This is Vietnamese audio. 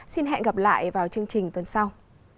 xin hẹn gặp lại vào chương trình tuần sau